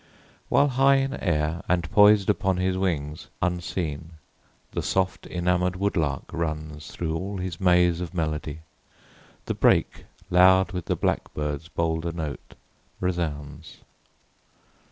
While high in air, and poised upon his wings, Unseen, the soft, enamour'd woodlark runs Through all his maze of melody; the brake, Loud with the blackbird's bolder note, resounds.